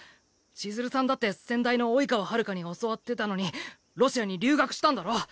千鶴さんだって先代の生川はるかに教わってたのにロシアに留学したんだろ？